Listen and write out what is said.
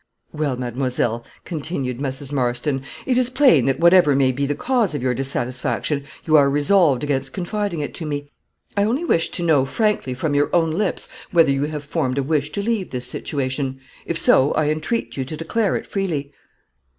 "Well, mademoiselle," continued Mrs. Marston, "it is plain that whatever may be the cause of your dissatisfaction, you are resolved against confiding it to me. I only wish to know frankly from your own lips, whether you have formed a wish to leave this situation. If so, I entreat you to declare it freely."